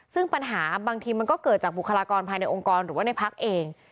ซึ่งปัญหาบางทีมันก็เกิดจากบุคลากรภายในองค์กรหรือว่าในพักเอง